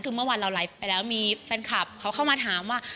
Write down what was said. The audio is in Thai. คือเมื่อวานเราไลฟ์ไปแล้วมีแฟนคลับเขาเข้ามาถามว่า